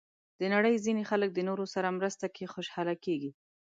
د نړۍ ځینې خلک د نورو سره مرسته کې خوشحاله کېږي.